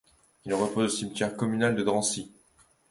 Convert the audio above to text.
Il repose au cimetière communal de Drancy.